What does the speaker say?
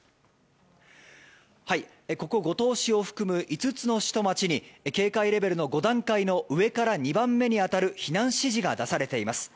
ここ、五島市を含む５つと市と町に警戒レベルの５段階の上から２番目に当たる避難指示が出されています。